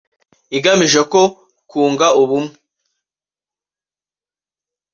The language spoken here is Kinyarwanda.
Igamije ko kunga ubumwe